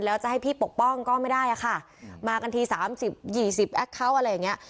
ที่พี่ปกป้องก็ไม่ได้อะค่ะมากันที๓๐๒๐แอคเคาท์อะไรอย่างเงี้ย